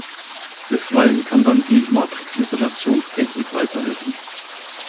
Bisweilen kann dann die Matrixisolations-Technik weiterhelfen.